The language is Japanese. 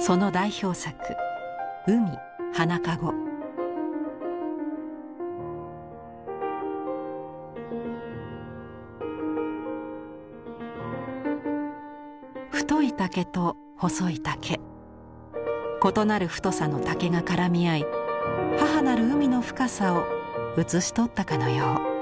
その代表作太い竹と細い竹異なる太さの竹が絡み合い母なる海の深さを写し取ったかのよう。